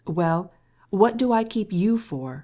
"Why, what do I keep you for?"